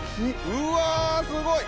うわすごい！